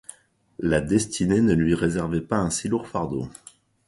la destinée ne lui réservait pas un si lourd fardeau !